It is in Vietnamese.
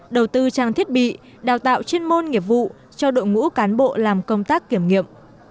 đầu tư trang thiết bị đào tạo chuyên môn nghiệp vụ cho đội ngũ cán bộ làm công tác kiểm nghiệm